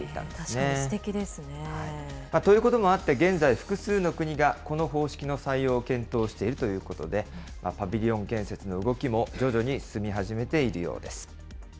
確かにすてきですね。ということもあって、現在、複数の国がこの方式の採用を検討しているということで、パビリオン建設の動きも、徐々に進み始めているようです。